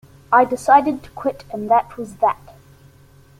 I decided to quit and that was that.